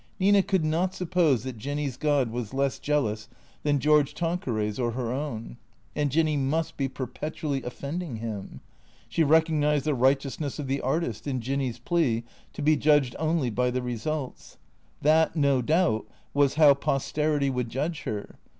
Nina could not suppose that Jinny's god was less jealous than George Tanqueray's or her own. And Jinny must be perpetually offending him. She recognized the righteousness of the artist in Jinny's plea to be judged only by the results. That, no doubt, was how posterity would judge her.